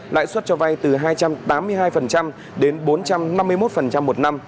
lãi suất cho vay từ hai trăm tám mươi hai đến bốn trăm năm mươi một một năm